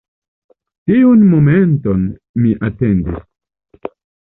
Tiun momenton mi atendis.